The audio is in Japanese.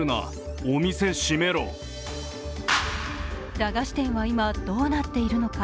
駄菓子店は今どうなっているのか。